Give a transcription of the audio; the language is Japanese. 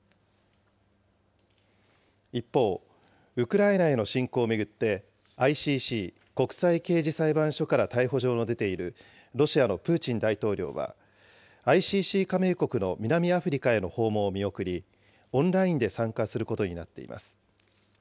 一方、ウクライナへの侵攻を巡って、ＩＣＣ・国際刑事裁判所から逮捕状の出ているロシアのプーチン大統領は、ＩＣＣ加盟国の南アフリカへの訪問を見送り、オンラインで参加することになっています。